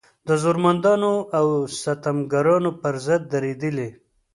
د زورمندانو او ستمګرانو په ضد درېدلې.